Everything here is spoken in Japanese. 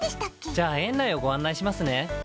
じゃあ園内をご案内しますね。